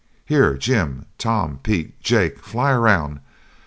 Here Jim, Tom, Pete, Jake, fly around!